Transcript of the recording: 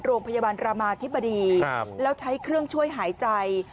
โรงพยาบาลรามาธิบดีแล้วใช้เครื่องช่วยหายใจ